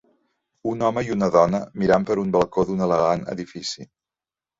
Un home i una dona mirant per un balcó d'un elegant edifici